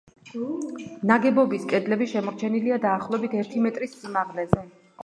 ნაგებობის კედლები შემორჩენილია დაახლოებით ერთი მეტრის სიმაღლეზე.